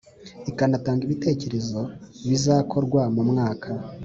ikanatanga ibitekerezo kubizakorwa mu mwaka